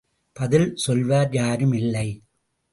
பதில் சொல்வார் யாருமில்லை.